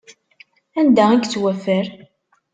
Anda i yettwaffer?